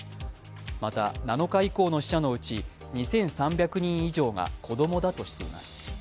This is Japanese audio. また７日以降の死者のうち、２３００人以上が子供だとしています。